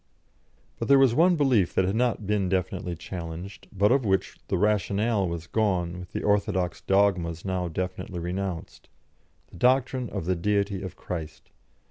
But there was one belief that had not been definitely challenged, but of which the rationale was gone with the orthodox dogmas now definitely renounced the doctrine of the Deity of Christ.